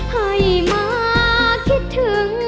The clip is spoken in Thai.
ให้คิดถึง